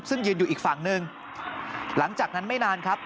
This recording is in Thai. ซึ่งยืนอยู่อีกฝั่งหนึ่งหลังจากนั้นไม่นานครับ